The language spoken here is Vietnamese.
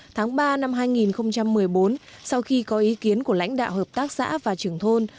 tháng ba năm hai nghìn một mươi bốn sau khi có ý kiến của lãnh đạo hợp tác xã và trưởng thôn